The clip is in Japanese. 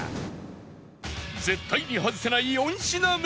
絶対に外せない４品目